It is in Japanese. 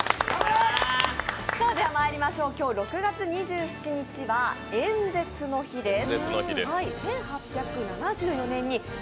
今日６月２７日は演説の日です。